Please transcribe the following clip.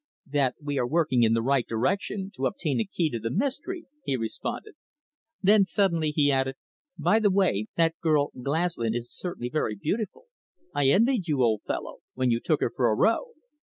"That we are working in the right direction to obtain a key to the mystery," he responded. Then suddenly he added: "By the way, that girl Glaslyn is certainly very beautiful. I envied you, old fellow, when you took her for a row."